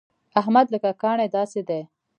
احمد لکه کاڼی داسې دی.